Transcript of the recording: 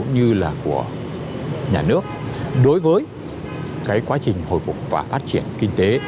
như là của nhà nước đối với cái quá trình hồi phục và phát triển kinh tế